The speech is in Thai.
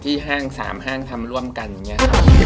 ที่ห้าง๓ห้างทำร่วมกันอย่างนี้